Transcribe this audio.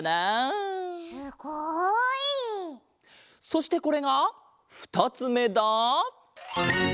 そしてこれがふたつめだ。